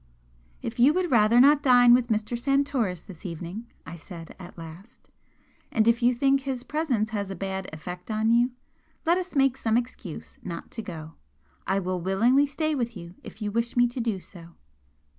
"If you would rather not dine with Mr. Santoris this evening," I said, at last, "and if you think his presence has a bad effect on you, let us make some excuse not to go. I will willingly stay with you, if you wish me to do so."